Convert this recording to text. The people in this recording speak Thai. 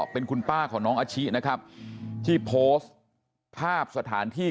เป็นคุณป้าของน้องอาชินะครับที่โพสต์ภาพสถานที่